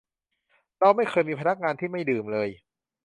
เราไม่เคยมีพนักงานที่ไม่ดื่มเลย